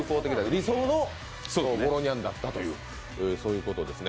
理想のゴロニャンだったとそういうことですね。